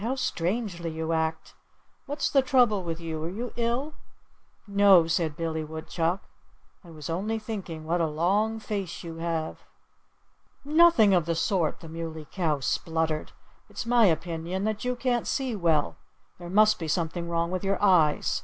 "How strangely you act! What's the trouble with you? Are you ill?" "No!" said Billy Woodchuck. "I was only thinking what a long face you have." "Nothing of the sort!" the Muley Cow spluttered. "It's my opinion that you can't see well. There must be something wrong with your eyes.